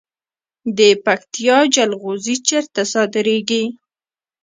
د پکتیا جلغوزي چیرته صادریږي؟